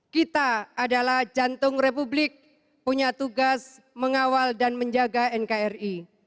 kita adalah jantung republik punya tugas mengawal dan menjaga nkri